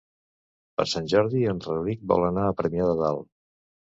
Per Sant Jordi en Rauric vol anar a Premià de Dalt.